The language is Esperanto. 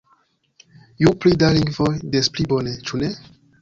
Ju pli da lingvoj, des pli bone, ĉu ne?